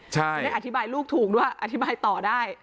จะได้อธิบายลูกถูกด้วยอธิบายต่อได้